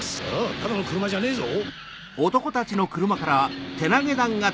ただの車じゃねえぞ！